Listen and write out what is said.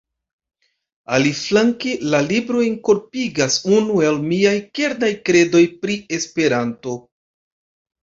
Aliflanke, la libro enkorpigas unu el miaj kernaj kredoj pri Esperanto.